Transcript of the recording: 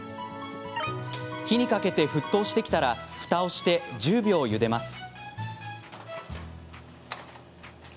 火にかけて、沸騰してきたらふたをして１０秒ゆでます。